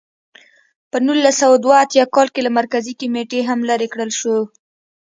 په نولس سوه دوه اتیا کال کې له مرکزي کمېټې هم لرې کړل شو.